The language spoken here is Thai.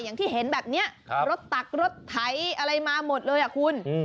อย่างที่เห็นแบบนี้รถตักรถไถอะไรมาหมดเลยอ่ะคุณ